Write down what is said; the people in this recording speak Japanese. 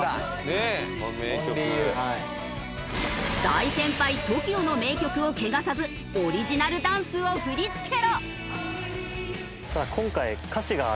大先輩ＴＯＫＩＯの名曲を汚さずオリジナルダンスを振り付けろ！